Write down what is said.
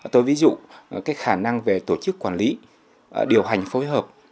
tôi ví dụ cái khả năng về tổ chức quản lý điều hành phối hợp